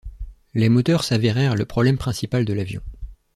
Les moteurs s’avérèrent le problème principal de l'avion.